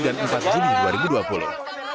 dan empat juli dua ribu dua puluh